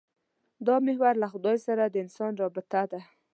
دا محور له خدای سره د انسان رابطه ده.